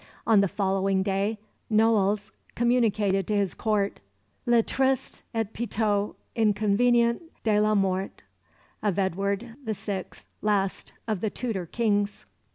On the following day Noailles communicated to his Court "le triste et piteux inconvénient de la mort" of Edward VI., last of the Tudor Kings.